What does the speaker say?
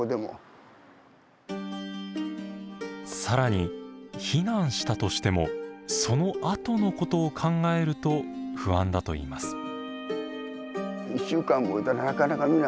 更に避難したとしてもそのあとのことを考えると不安だといいます。